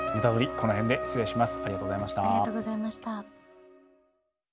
この辺で失礼します。